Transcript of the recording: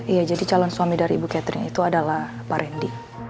iya jadi calon suami dari ibu catherine itu adalah pak randy